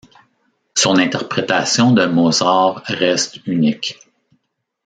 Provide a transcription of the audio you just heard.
Son interprétation de Mozart reste unique.